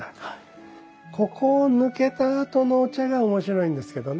ここを抜けたあとのお茶が面白いんですけどね。